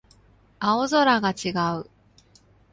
青空が違う